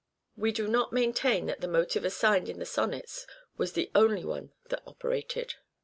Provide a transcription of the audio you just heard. We do not maintain that the motive assigned in the social con sonnets was the only one that operated.